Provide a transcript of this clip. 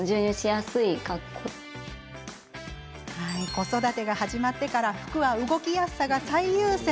子育てが始まってから服は動きやすさが最優先。